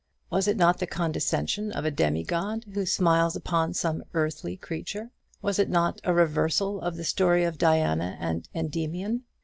Was it not the condescension of a demigod, who smiles upon some earthly creature? Was it not a reversal of the story of Diana and Endymion?